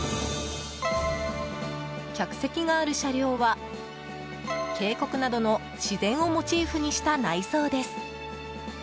客席がある車両は、渓谷などの自然をモチーフにした内装です。